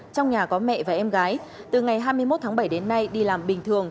trong nhà có mẹ và em gái từ ngày hai mươi một tháng bảy đến nay đi làm bình thường